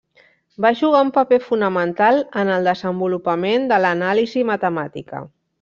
Va jugar un paper fonamental en el desenvolupament de l'anàlisi matemàtica.